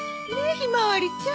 ひまわりちゃん。